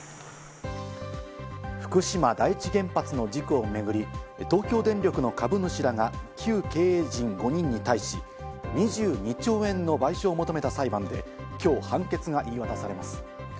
福島第一原発の事故をめぐり、東京電力の株主らが旧経営陣５人に対し、２２兆円の賠償を求めた裁判で今日判決が言い渡されます。